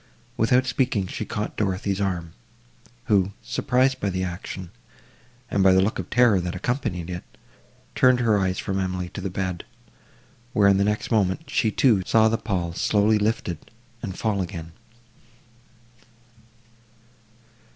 Without speaking, she caught Dorothée's arm, who, surprised by the action, and by the look of terror that accompanied it, turned her eyes from Emily to the bed, where, in the next moment she, too, saw the pall slowly lifted, and fall again.